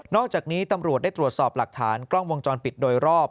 อกจากนี้ตำรวจได้ตรวจสอบหลักฐานกล้องวงจรปิดโดยรอบ